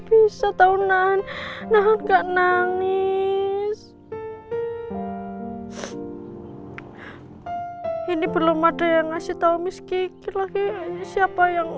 bisa tahunan nah nggak nangis ini belum ada yang ngasih tahu miski lagi siapa yang udah